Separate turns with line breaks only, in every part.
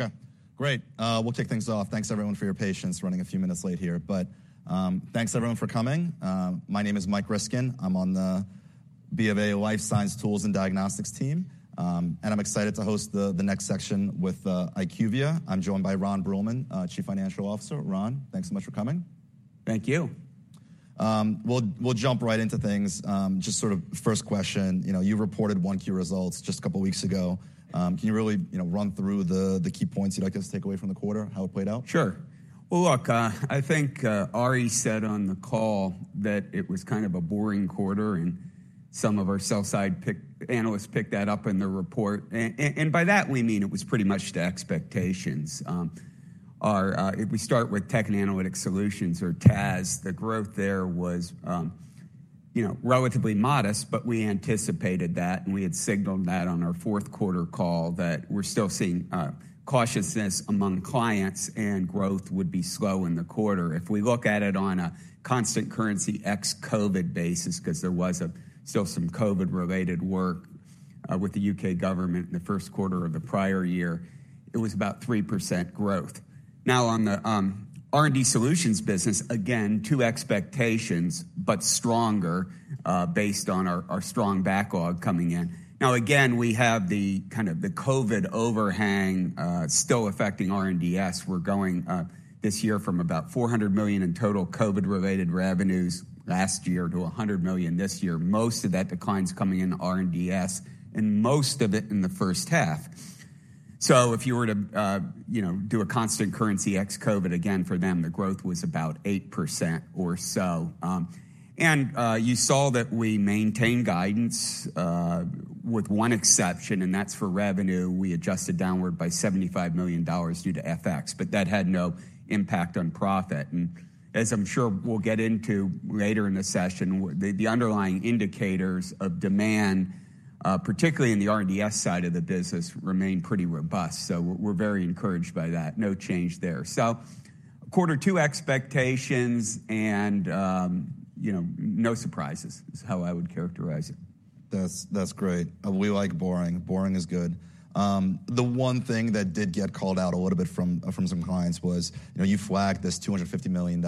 Okay, great. We'll kick things off. Thanks, everyone, for your patience running a few minutes late here, but thanks, everyone, for coming. My name is Michael Ryskin. I'm on the BofA Life Science Tools and Diagnostics team, and I'm excited to host the next section with IQVIA. I'm joined by Ron Bruehlman, Chief Financial Officer. Ron, thanks so much for coming.
Thank you.
We'll jump right into things. Just sort of first question, you reported 1Q results just a couple of weeks ago. Can you really run through the key points you'd like us to take away from the quarter, how it played out?
Sure. Well, look, I think Ari said on the call that it was kind of a boring quarter, and some of our sell-side analysts picked that up in their report. And by that, we mean it was pretty much to expectations. If we start with Technology & Analytics Solutions, or TAS, the growth there was relatively modest, but we anticipated that, and we had signaled that on our fourth quarter call that we're still seeing cautiousness among clients and growth would be slow in the quarter. If we look at it on a constant currency ex-COVID basis because there was still some COVID-related work with the UK government in the first quarter of the prior year, it was about 3% growth. Now, on the R&D Solutions business, again, to expectations but stronger based on our strong backlog coming in. Now, again, we have kind of the COVID overhang still affecting R&DS. We're going this year from about $400 million in total COVID-related revenues last year to $100 million this year. Most of that decline is coming in R&DS and most of it in the first half. So if you were to do a constant currency ex-COVID, again, for them, the growth was about 8% or so. And you saw that we maintained guidance with one exception, and that's for revenue. We adjusted downward by $75 million due to FX, but that had no impact on profit. And as I'm sure we'll get into later in the session, the underlying indicators of demand, particularly in the R&DS side of the business, remain pretty robust. So we're very encouraged by that. No change there. So quarter two expectations and no surprises is how I would characterize it.
That's great. We like boring. Boring is good. The one thing that did get called out a little bit from some clients was you flagged this $250 million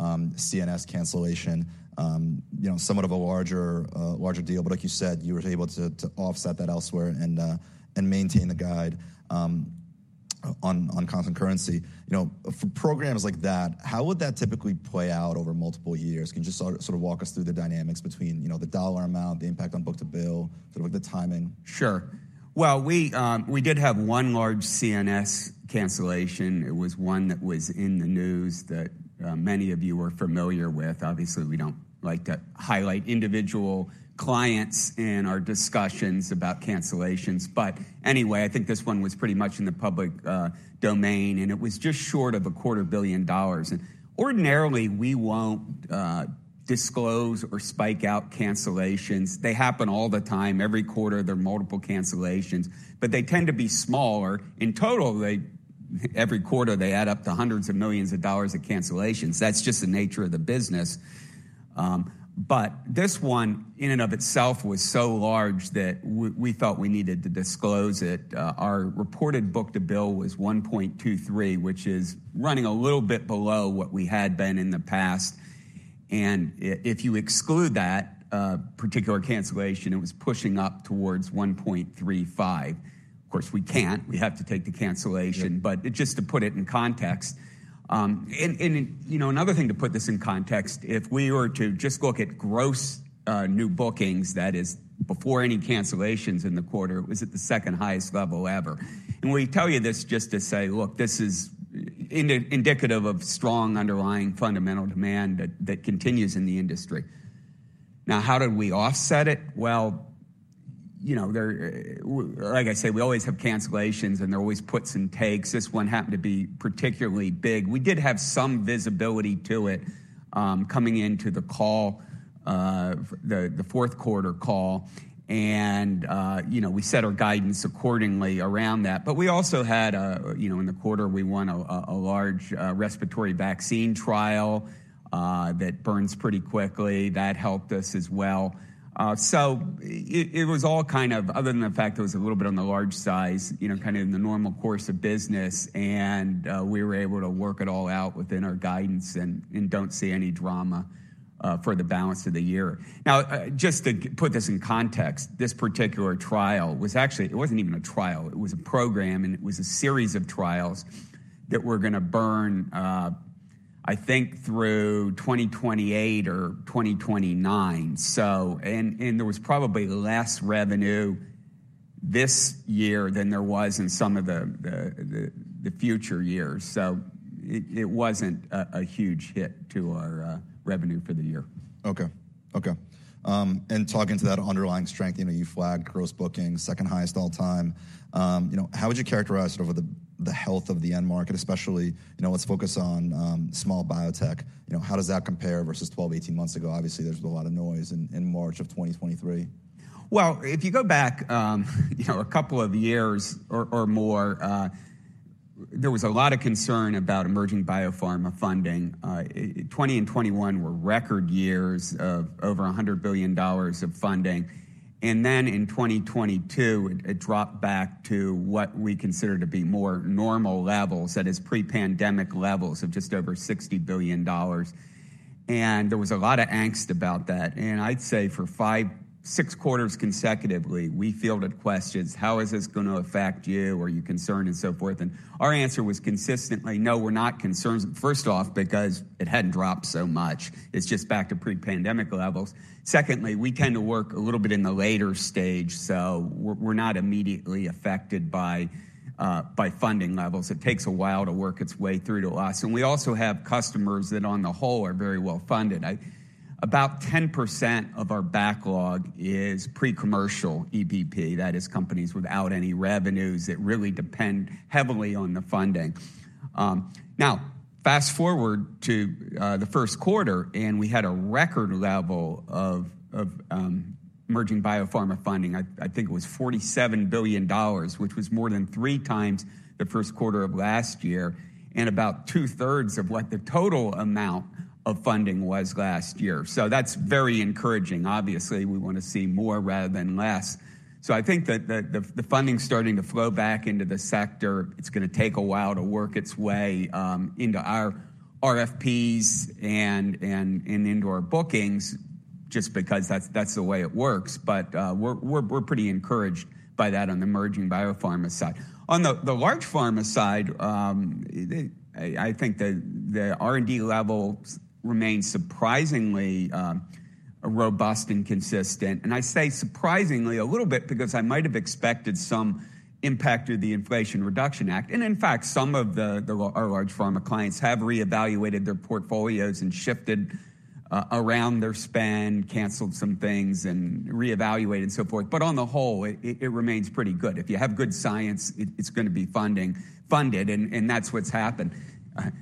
CNS cancellation, somewhat of a larger deal. But like you said, you were able to offset that elsewhere and maintain the guide on constant currency. For programs like that, how would that typically play out over multiple years? Can you just sort of walk us through the dynamics between the dollar amount, the impact on book-to-bill, sort of the timing?
Sure. Well, we did have one large CNS cancellation. It was one that was in the news that many of you are familiar with. Obviously, we don't like to highlight individual clients in our discussions about cancellations. But anyway, I think this one was pretty much in the public domain, and it was just short of $250 million. And ordinarily, we won't disclose or spike out cancellations. They happen all the time. Every quarter, there are multiple cancellations, but they tend to be smaller. In total, every quarter, they add up to hundreds of millions dollars of cancellations. That's just the nature of the business. But this one, in and of itself, was so large that we thought we needed to disclose it. Our reported book-to-bill was 1.23, which is running a little bit below what we had been in the past. And if you exclude that particular cancellation, it was pushing up towards 1.35. Of course, we can't. We have to take the cancellation. But just to put it in context, and another thing to put this in context, if we were to just look at gross new bookings, that is, before any cancellations in the quarter, it was at the second highest level ever. And we tell you this just to say, look, this is indicative of strong underlying fundamental demand that continues in the industry. Now, how did we offset it? Well, like I say, we always have cancellations, and there are always puts and takes. This one happened to be particularly big. We did have some visibility to it coming into the call, the fourth quarter call. And we set our guidance accordingly around that. But we also had, in the quarter, we won a large respiratory vaccine trial that burns pretty quickly. That helped us as well. So it was all kind of, other than the fact it was a little bit on the large side, kind of in the normal course of business, and we were able to work it all out within our guidance and don't see any drama for the balance of the year. Now, just to put this in context, this particular trial was actually it wasn't even a trial. It was a program, and it was a series of trials that were going to burn, I think, through 2028 or 2029. And there was probably less revenue this year than there was in some of the future years. So it wasn't a huge hit to our revenue for the year.
OK, OK. And talking to that underlying strength, you flagged gross bookings, second highest all-time. How would you characterize sort of the health of the end market, especially let's focus on small biotech. How does that compare versus 12, 18 months ago? Obviously, there's a lot of noise in March of 2023.
Well, if you go back a couple of years or more, there was a lot of concern about emerging biopharma funding. 2020 and 2021 were record years of over $100 billion of funding. And then in 2022, it dropped back to what we consider to be more normal levels, that is, pre-pandemic levels of just over $60 billion. And there was a lot of angst about that. And I'd say for five, six quarters consecutively, we fielded questions, how is this going to affect you? Are you concerned? And so forth. And our answer was consistently, no, we're not concerned, first off, because it hadn't dropped so much. It's just back to pre-pandemic levels. Secondly, we tend to work a little bit in the later stage. So we're not immediately affected by funding levels. It takes a while to work its way through to us. We also have customers that, on the whole, are very well funded. About 10% of our backlog is pre-commercial EBP. That is, companies without any revenues that really depend heavily on the funding. Now, fast forward to the first quarter, and we had a record level of emerging biopharma funding. I think it was $47 billion, which was more than three times the first quarter of last year and about two-thirds of what the total amount of funding was last year. So that's very encouraging. Obviously, we want to see more rather than less. So I think that the funding is starting to flow back into the sector. It's going to take a while to work its way into our RFPs and into our bookings just because that's the way it works. But we're pretty encouraged by that on the emerging biopharma side. On the large pharma side, I think the R&D level remains surprisingly robust and consistent. And I say surprisingly a little bit because I might have expected some impact through the Inflation Reduction Act. And in fact, some of our large pharma clients have reevaluated their portfolios and shifted around their spend, canceled some things, and reevaluated, and so forth. But on the whole, it remains pretty good. If you have good science, it's going to be funded, and that's what's happened.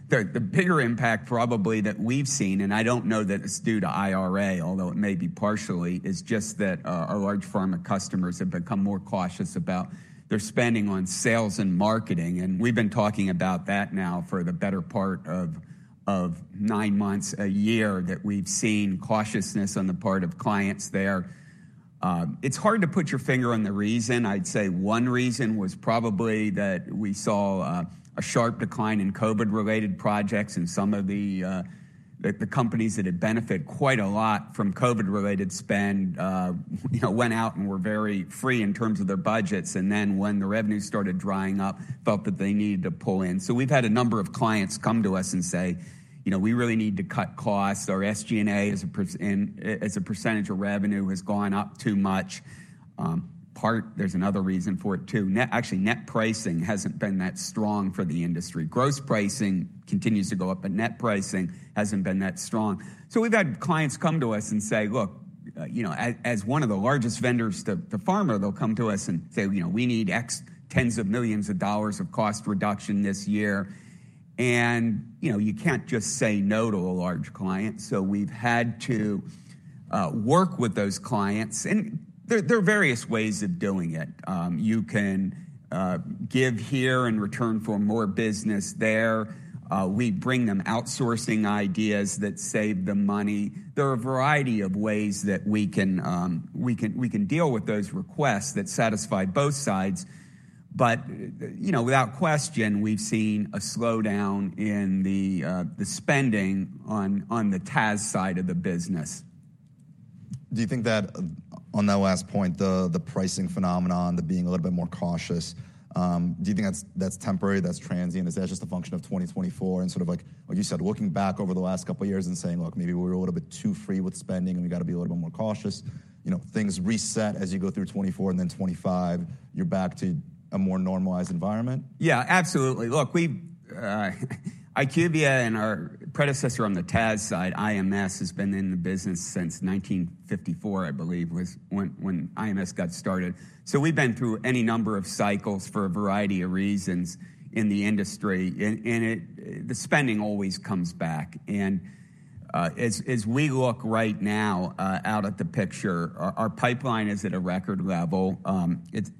The bigger impact probably that we've seen, and I don't know that it's due to IRA, although it may be partially, is just that our large pharma customers have become more cautious about their spending on sales and marketing. And we've been talking about that now for the better part of nine months, a year that we've seen cautiousness on the part of clients there. It's hard to put your finger on the reason. I'd say one reason was probably that we saw a sharp decline in COVID-related projects. Some of the companies that had benefited quite a lot from COVID-related spend went out and were very free in terms of their budgets. Then when the revenue started drying up, felt that they needed to pull in. So we've had a number of clients come to us and say, we really need to cut costs. Our SG&A as a percentage of revenue has gone up too much. There's another reason for it, too. Actually, net pricing hasn't been that strong for the industry. Gross pricing continues to go up, but net pricing hasn't been that strong. So we've had clients come to us and say, look, as one of the largest vendors to pharma, they'll come to us and say, we need tens of millions dollars of cost reduction this year. And you can't just say no to a large client. So we've had to work with those clients. And there are various ways of doing it. You can give here and return for more business there. We bring them outsourcing ideas that save them money. There are a variety of ways that we can deal with those requests that satisfy both sides. But without question, we've seen a slowdown in the spending on the TAS side of the business.
Do you think that on that last point, the pricing phenomenon, the being a little bit more cautious, do you think that's temporary? That's transient? Is that just a function of 2024 and sort of, like you said, looking back over the last couple of years and saying, look, maybe we were a little bit too free with spending, and we got to be a little bit more cautious? Things reset as you go through 2024 and then 2025. You're back to a more normalized environment?
Yeah, absolutely. Look, IQVIA and our predecessor on the TAS side, IMS, has been in the business since 1954, I believe, when IMS got started. So we've been through any number of cycles for a variety of reasons in the industry. And the spending always comes back. And as we look right now out at the picture, our pipeline is at a record level.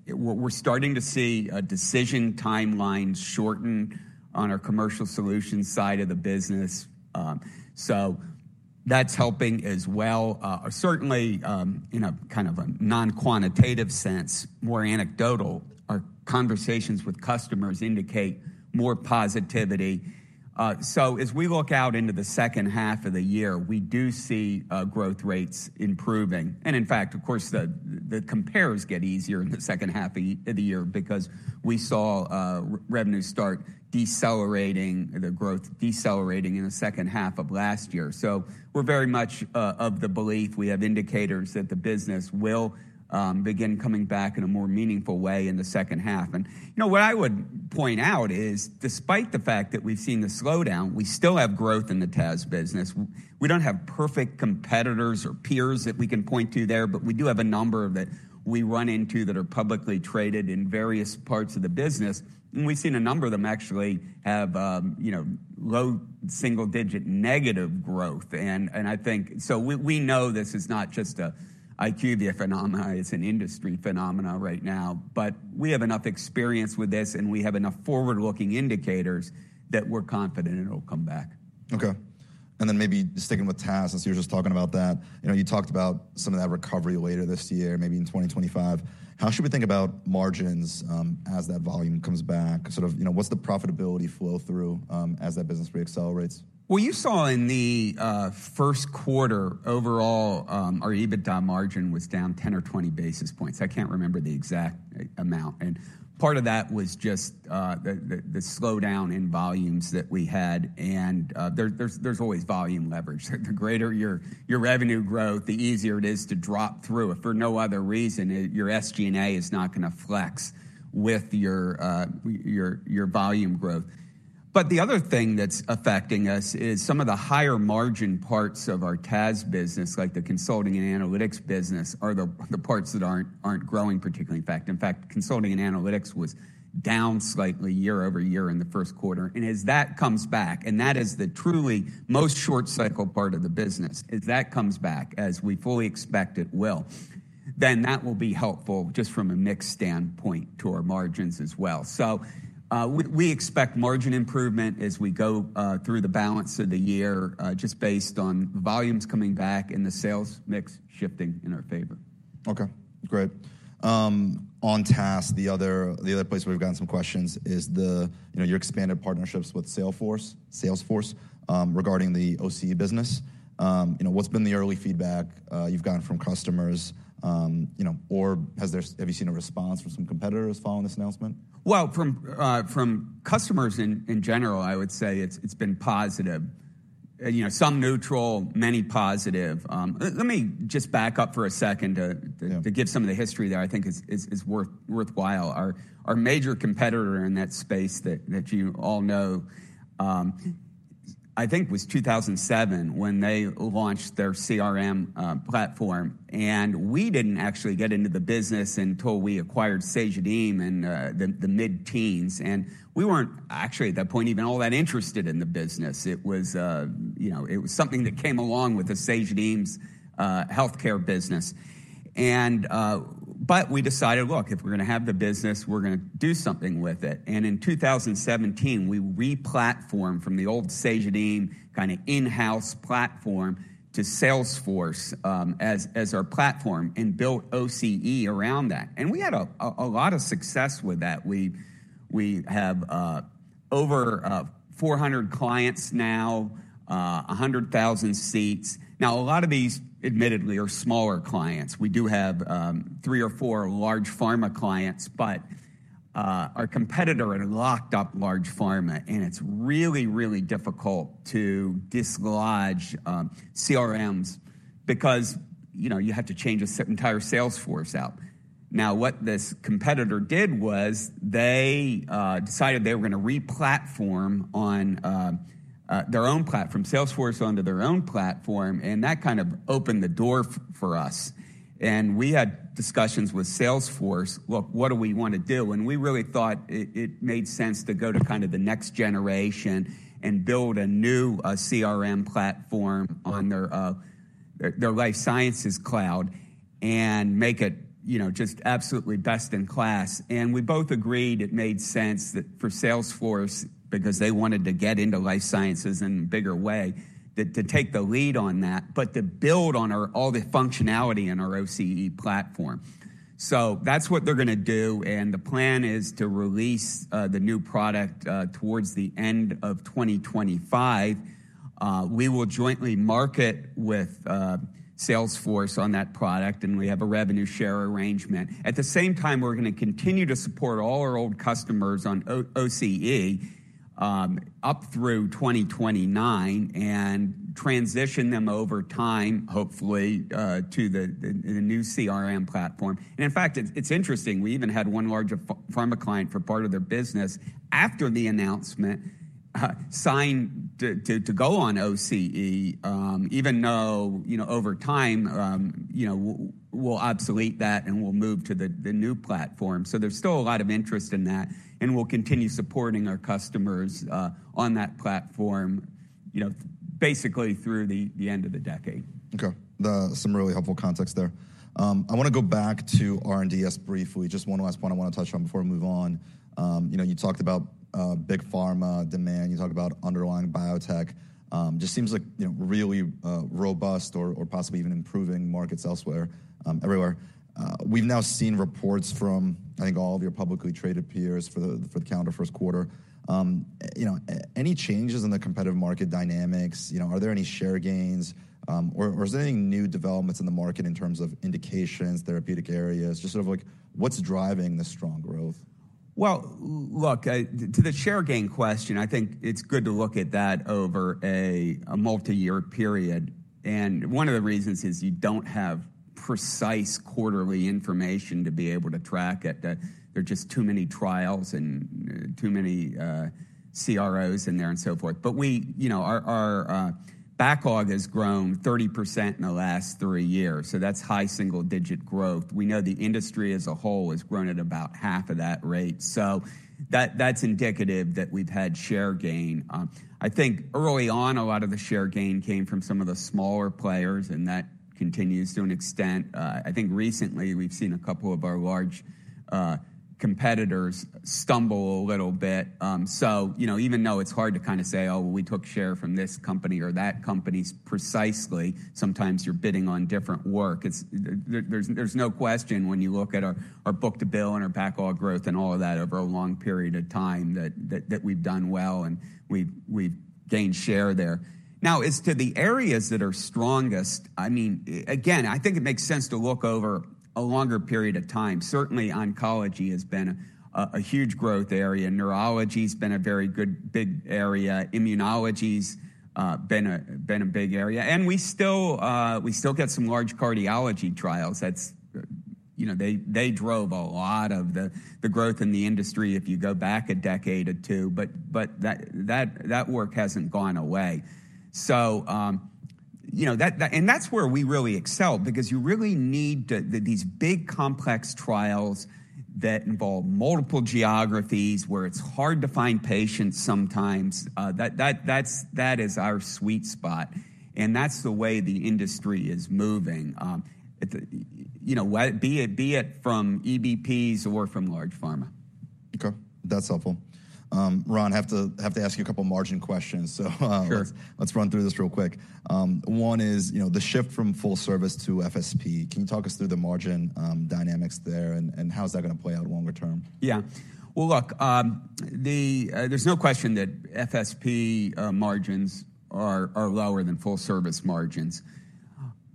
We're starting to see decision timelines shorten on our commercial solutions side of the business. So that's helping as well. Certainly, in a kind of a non-quantitative sense, more anecdotal, our conversations with customers indicate more positivity. So as we look out into the second half of the year, we do see growth rates improving. And in fact, of course, the compares get easier in the second half of the year because we saw revenue start decelerating, the growth decelerating in the second half of last year. So we're very much of the belief we have indicators that the business will begin coming back in a more meaningful way in the second half. And what I would point out is, despite the fact that we've seen the slowdown, we still have growth in the TAS business. We don't have perfect competitors or peers that we can point to there. But we do have a number of that we run into that are publicly traded in various parts of the business. And we've seen a number of them actually have low single-digit negative growth. And so we know this is not just an IQVIA phenomenon. It's an industry phenomenon right now. But we have enough experience with this, and we have enough forward-looking indicators that we're confident it'll come back.
OK. Then maybe sticking with TAS, since you were just talking about that, you talked about some of that recovery later this year, maybe in 2025. How should we think about margins as that volume comes back? Sort of what's the profitability flow through as that business reaccelerates?
Well, you saw in the first quarter, overall, our EBITDA margin was down 10 or 20 basis points. I can't remember the exact amount. Part of that was just the slowdown in volumes that we had. There's always volume leverage. The greater your revenue growth, the easier it is to drop through. If for no other reason, your SG&A is not going to flex with your volume growth. But the other thing that's affecting us is some of the higher margin parts of our TAS business, like the consulting and analytics business, are the parts that aren't growing particularly in fact. In fact, consulting and analytics was down slightly year-over-year in the first quarter. As that comes back, and that is the truly most short-cycle part of the business, as that comes back as we fully expect it will, then that will be helpful just from a mixed standpoint to our margins as well. We expect margin improvement as we go through the balance of the year just based on volumes coming back and the sales mix shifting in our favor.
OK, great. On TAS, the other place where we've gotten some questions is your expanded partnerships with Salesforce regarding the OCE business. What's been the early feedback you've gotten from customers? Or have you seen a response from some competitors following this announcement?
Well, from customers in general, I would say it's been positive. Some neutral, many positive. Let me just back up for a second to give some of the history there. I think it's worthwhile. Our major competitor in that space that you all know, I think, was 2007 when they launched their CRM platform. We didn't actually get into the business until we acquired Cegedim in the mid-teens. We weren't actually, at that point, even all that interested in the business. It was something that came along with the Cegedim's health care business. But we decided, look, if we're going to have the business, we're going to do something with it. In 2017, we replatformed from the old Cegedim kind of in-house platform to Salesforce as our platform and built OCE around that. We had a lot of success with that. We have over 400 clients now, 100,000 seats. Now, a lot of these, admittedly, are smaller clients. We do have three or four large pharma clients. But our competitor had locked up large pharma. And it's really, really difficult to dislodge CRMs because you have to change an entire Salesforce out. Now, what this competitor did was they decided they were going to replatform on their own platform, Salesforce onto their own platform. And that kind of opened the door for us. And we had discussions with Salesforce, look, what do we want to do? And we really thought it made sense to go to kind of the next generation and build a new CRM platform on their Life Sciences Cloud and make it just absolutely best in class. We both agreed it made sense for Salesforce, because they wanted to get into Life Sciences in a bigger way, to take the lead on that but to build on all the functionality in our OCE platform. That's what they're going to do. The plan is to release the new product towards the end of 2025. We will jointly market with Salesforce on that product. We have a revenue share arrangement. At the same time, we're going to continue to support all our old customers on OCE up through 2029 and transition them over time, hopefully, to the new CRM platform. In fact, it's interesting. We even had one large pharma client for part of their business after the announcement signed to go on OCE, even though over time, we'll obsolete that, and we'll move to the new platform. There's still a lot of interest in that. We'll continue supporting our customers on that platform basically through the end of the decade.
OK, some really helpful context there. I want to go back to R&D just briefly, just one last point I want to touch on before we move on. You talked about big pharma demand. You talked about underlying biotech. Just seems like really robust or possibly even improving markets elsewhere, everywhere. We've now seen reports from, I think, all of your publicly traded peers for the calendar first quarter. Any changes in the competitive market dynamics? Are there any share gains? Or is there any new developments in the market in terms of indications, therapeutic areas? Just sort of what's driving the strong growth?
Well, look, to the share gain question, I think it's good to look at that over a multi-year period. One of the reasons is you don't have precise quarterly information to be able to track it. There are just too many trials and too many CROs in there and so forth. Our backlog has grown 30% in the last three years. That's high single-digit growth. We know the industry as a whole has grown at about half of that rate. That's indicative that we've had share gain. I think early on, a lot of the share gain came from some of the smaller players. That continues to an extent. I think recently, we've seen a couple of our large competitors stumble a little bit. So even though it's hard to kind of say, oh, we took share from this company or that company precisely, sometimes you're bidding on different work. There's no question when you look at our book-to-bill and our backlog growth and all of that over a long period of time that we've done well. And we've gained share there. Now, as to the areas that are strongest, I mean, again, I think it makes sense to look over a longer period of time. Certainly, oncology has been a huge growth area. Neurology has been a very good big area. Immunology has been a big area. And we still get some large cardiology trials. They drove a lot of the growth in the industry if you go back a decade or two. But that work hasn't gone away. And that's where we really excel. Because you really need these big, complex trials that involve multiple geographies where it's hard to find patients sometimes. That is our sweet spot. That's the way the industry is moving, be it from EBPs or from large pharma.
OK, that's helpful. Ron, I have to ask you a couple of margin questions. Let's run through this real quick. One is the shift from full service to FSP. Can you talk us through the margin dynamics there? How is that going to play out longer term?
Yeah, well, look, there's no question that FSP margins are lower than full service margins.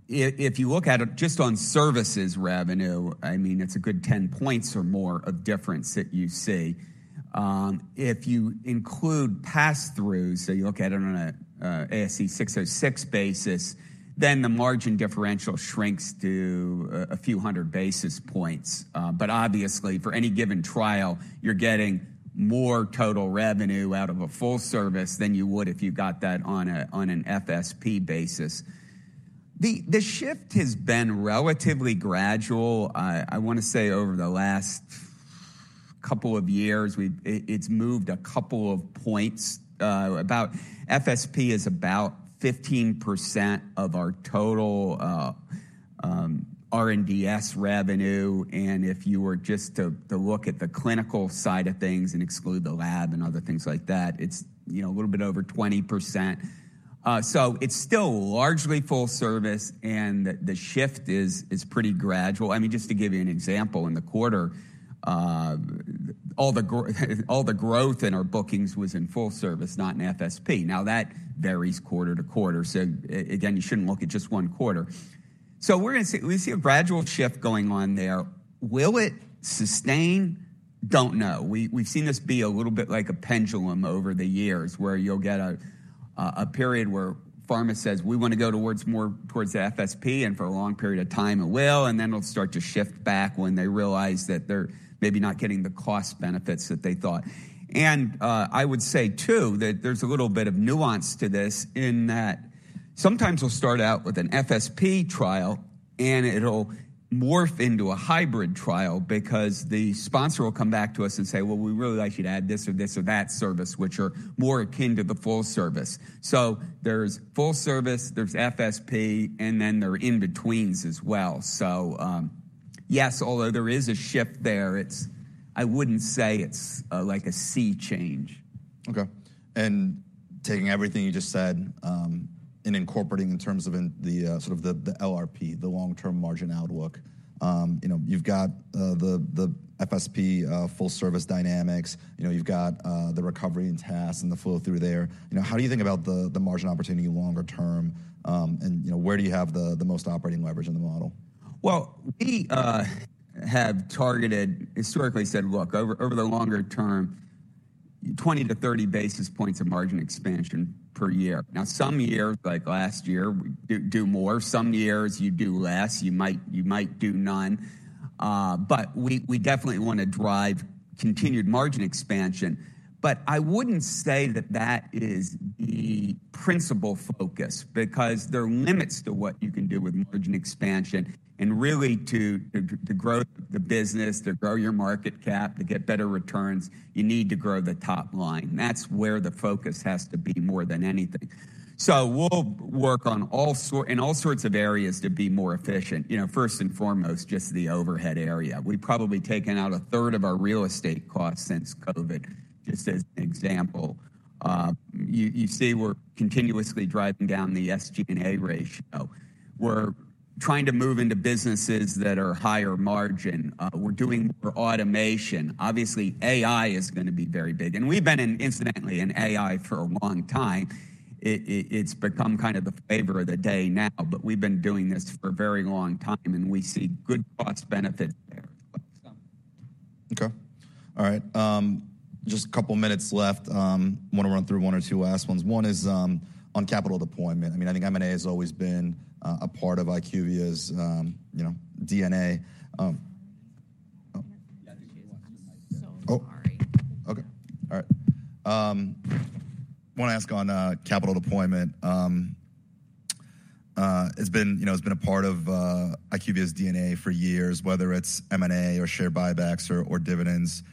If you look at it just on services revenue, I mean, it's a good 10 points or more of difference that you see. If you include pass-throughs, say you look at it on an ASC 606 basis, then the margin differential shrinks to a few hundred basis points. But obviously, for any given trial, you're getting more total revenue out of a full service than you would if you got that on an FSP basis. The shift has been relatively gradual. I want to say over the last couple of years, it's moved a couple of points. FSP is about 15% of our total R&DS revenue. If you were just to look at the clinical side of things and exclude the lab and other things like that, it's a little bit over 20%. It's still largely full service. The shift is pretty gradual. I mean, just to give you an example, in the quarter, all the growth in our bookings was in full service, not in FSP. Now, that varies quarter to quarter. Again, you shouldn't look at just one quarter. We see a gradual shift going on there. Will it sustain? Don't know. We've seen this be a little bit like a pendulum over the years where you'll get a period where pharma says, we want to go towards more towards the FSP. For a long period of time, it will. Then it'll start to shift back when they realize that they're maybe not getting the cost benefits that they thought. I would say, too, that there's a little bit of nuance to this in that sometimes we'll start out with an FSP trial. It'll morph into a hybrid trial because the sponsor will come back to us and say, well, we really like you to add this or this or that service, which are more akin to the full service. So there's full service. There's FSP. And then there are in-betweens as well. So yes, although there is a shift there, I wouldn't say it's like a sea change.
OK, and taking everything you just said and incorporating in terms of sort of the LRP, the long-term margin outlook, you've got the FSP full service dynamics. You've got the recovery in TAS and the flow through there. How do you think about the margin opportunity longer term? And where do you have the most operating leverage in the model?
Well, we have targeted, historically said, look, over the longer term, 20-30 basis points of margin expansion per year. Now, some years, like last year, do more. Some years, you do less. You might do none. But we definitely want to drive continued margin expansion. But I wouldn't say that that is the principal focus. Because there are limits to what you can do with margin expansion. And really, to grow the business, to grow your market cap, to get better returns, you need to grow the top line. That's where the focus has to be more than anything. So we'll work in all sorts of areas to be more efficient. First and foremost, just the overhead area. We've probably taken out a third of our real estate costs since COVID, just as an example. You see we're continuously driving down the SG&A ratio. We're trying to move into businesses that are higher margin. We're doing more automation. Obviously, AI is going to be very big. And we've been, incidentally, in AI for a long time. It's become kind of the flavor of the day now. But we've been doing this for a very long time. And we see good cost benefits there.
OK, all right. Just a couple of minutes left. I want to run through one or two last ones. One is on capital deployment. I mean, I think M&A has always been a part of IQVIA's DNA.
Yeah, I think she asked him right there.
OK, all right. I want to ask on capital deployment. It's been a part of IQVIA's DNA for years, whether it's M&A or share buybacks or dividends. How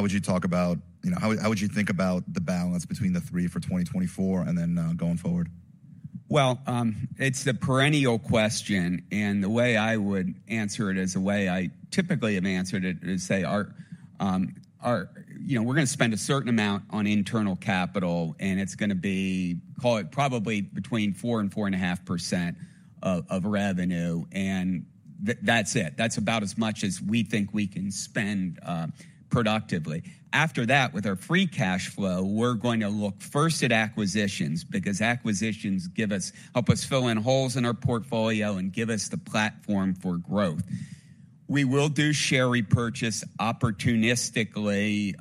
would you talk about how would you think about the balance between the three for 2024 and then going forward?
Well, it's a perennial question. And the way I would answer it is the way I typically have answered it is say, we're going to spend a certain amount on internal capital. And it's going to be, call it, probably between 4%-4.5% of revenue. And that's it. That's about as much as we think we can spend productively. After that, with our free cash flow, we're going to look first at acquisitions. Because acquisitions help us fill in holes in our portfolio and give us the platform for growth. We will do share repurchase opportunistically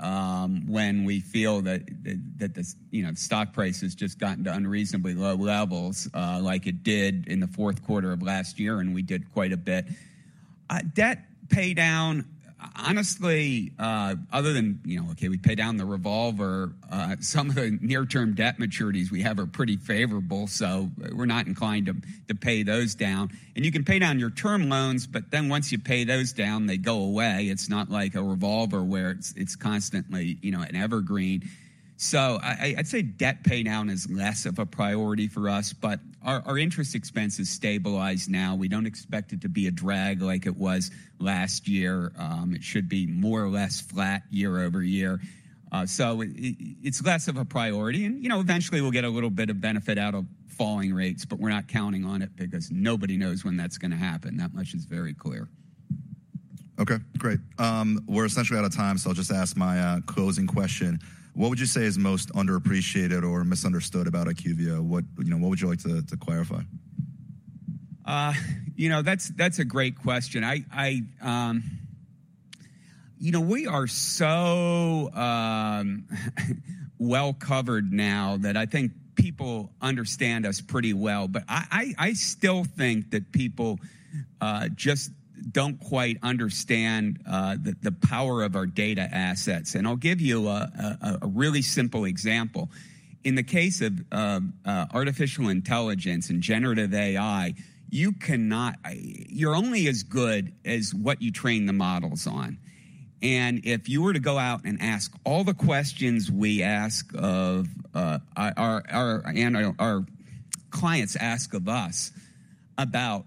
when we feel that the stock price has just gotten to unreasonably low levels, like it did in the fourth quarter of last year. And we did quite a bit. Debt pay down, honestly, other than, OK, we pay down the revolver, some of the near-term debt maturities we have are pretty favorable. So we're not inclined to pay those down. And you can pay down your term loans. But then once you pay those down, they go away. It's not like a revolver where it's constantly an evergreen. So I'd say debt pay down is less of a priority for us. But our interest expenses stabilize now. We don't expect it to be a drag like it was last year. It should be more or less flat year-over-year. So it's less of a priority. And eventually, we'll get a little bit of benefit out of falling rates. But we're not counting on it. Because nobody knows when that's going to happen. That much is very clear.
OK, great. We're essentially out of time. I'll just ask my closing question. What would you say is most underappreciated or misunderstood about IQVIA? What would you like to clarify? You know.
That's a great question. You know, we are so well covered now that I think people understand us pretty well. But I still think that people just don't quite understand the power of our data assets. And I'll give you a really simple example. In the case of artificial intelligence and generative AI, you're only as good as what you train the models on. And if you were to go out and ask all the questions we ask of and our clients ask of us about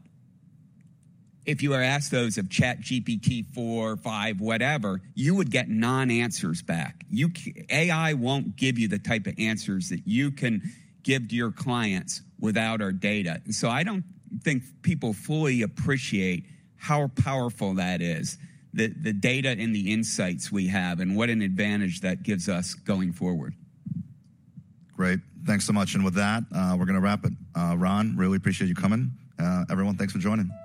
if you were to ask those of ChatGPT-4, 5, whatever, you would get non-answers back. AI won't give you the type of answers that you can give to your clients without our data. And so I don't think people fully appreciate how powerful that is, the data and the insights we have, and what an advantage that gives us going forward.
Great, thanks so much. With that, we're going to wrap it. Ron, really appreciate you coming. Everyone, thanks for joining.